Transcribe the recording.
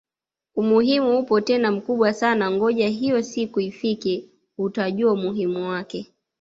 Umuhimu upo tena mkubwa sana ngoja hiyo siku ifike utajua umuhimu wake